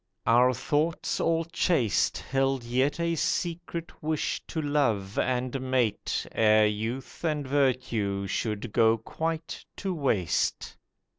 Our thoughts all chaste Held yet a secret wish to love and mate Ere youth and virtue should go quite to waste.